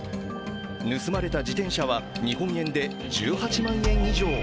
盗まれた自転車は日本円で１８万円以上。